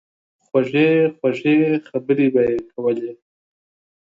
خوږې خوږې خبرې به ئې کولې